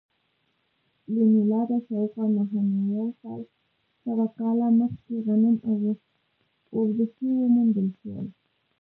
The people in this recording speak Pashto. له میلاده شاوخوا نهه نیم سوه کاله مخکې غنم او اوربشې وموندل شول